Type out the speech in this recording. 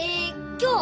今日